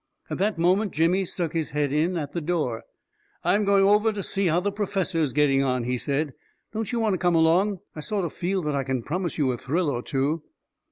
At that moment Jimmy stuck his head in at the door. " I'm going over to see how the professor's get ting on," he said. " Don't you want to come along? I sort of feel that I can promise you a thrill or two."